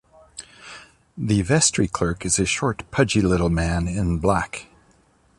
The vestry-clerk is a short, pudgy little man, in black.